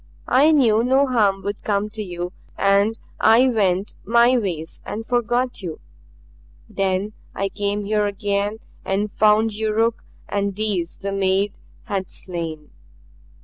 I knew no harm would come to you, and I went my ways and forgot you. Then I came here again and found Yuruk and these the maid had slain."